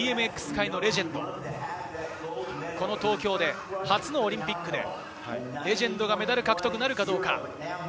ＢＭＸ界のレジェンド、東京で初のオリンピックで、レジェンドがメダル獲得なるかどうか。